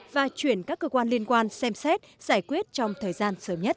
và chuyển các cơ quan liên quan xem xét giải quyết trong thời gian sớm nhất